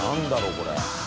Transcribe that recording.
これ。